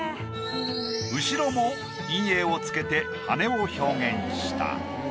後ろも陰影を付けて羽を表現した。